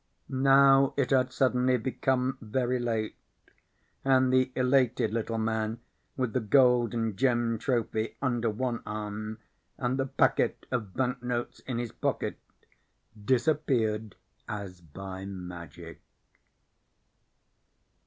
Now it had suddenly become very late, and the elated little man with the gold and gemmed trophy under one arm and the packet of bank notes in his pocket disappeared as by magic.